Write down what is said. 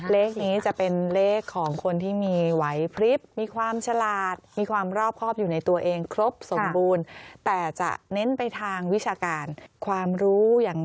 เลขนี้จะเป็นเลขของคนที่มีไหวพลิบมีความฉลาดมีความรอบครอบอยู่ในตัวเองครบสมบูรณ์แต่จะเน้นไปทางวิชาการความรู้อย่าง